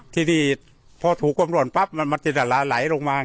ที่ดีพอถูกกลมโรนปั๊บมันมันจะหลายหลายลงมา